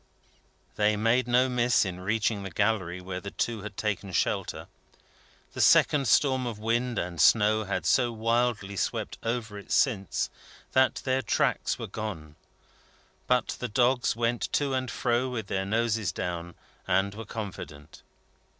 They made no miss in reaching the Gallery where the two had taken shelter. The second storm of wind and snow had so wildly swept over it since, that their tracks were gone. But the dogs went to and fro with their noses down, and were confident.